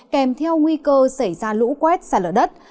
kèm theo nguy cơ xảy ra lũ quét xả lở đất